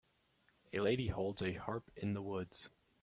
A lady holds a harp in the woods.